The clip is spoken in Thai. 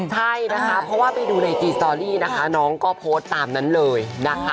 ใช่นะคะเพราะว่าไปดูในจีสตอรี่นะคะน้องก็โพสต์ตามนั้นเลยนะคะ